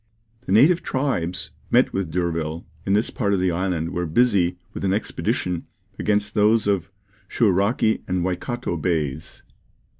The native tribes met with by D'Urville in this part of the island were busy with an expedition against those of Shouraki and Waikato Bays.